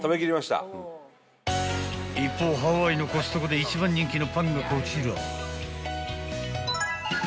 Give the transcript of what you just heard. ［一方ハワイのコストコで一番人気のパンがこちら］